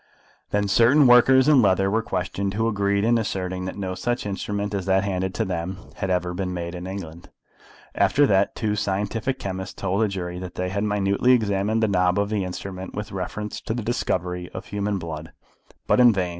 Then certain workers in leather were questioned, who agreed in asserting that no such instrument as that handed to them had ever been made in England. After that, two scientific chemists told the jury that they had minutely examined the knob of the instrument with reference to the discovery of human blood, but in vain.